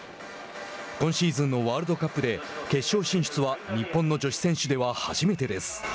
今シーズンのワールドカップで決勝進出は日本の女子選手では初めてです。